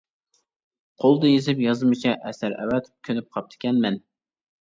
قولدا يېزىپ، يازمىچە ئەسەر ئەۋەتىپ كۆنۈپ قاپتىكەنمەن.